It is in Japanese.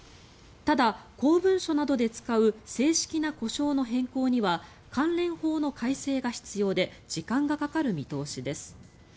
ただ、公文書などで使う正式な呼称の変更には関連法の改正が必要で時間がかかる見通しです。